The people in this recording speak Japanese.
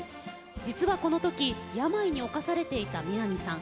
実は、この時、病に冒されていた三波さん